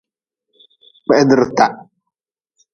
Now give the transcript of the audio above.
Kpehdrita.